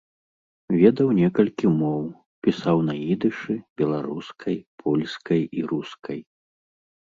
Ведаў некалькі моў, пісаў на ідышы, беларускай, польскай і рускай.